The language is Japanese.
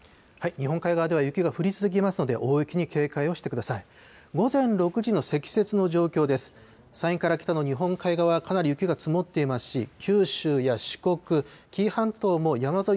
日本海側では雪が降り続きますので、大雪に警戒をしてください。